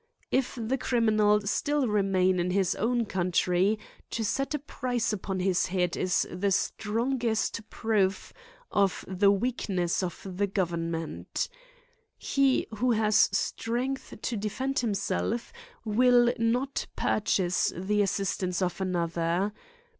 If the criminal stiil remain in his own CRIMES AND PUNISHMEN IS. 13f country, to set a price upon his head is the strong est proof of the weakness of the government. He who has strength to defend himself will not pur chase the assistance of another.